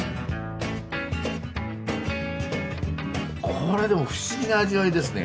これでも不思議な味わいですね。